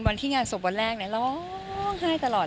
วันที่งานศพวันแรกเนี่ยร้องไห้ตลอด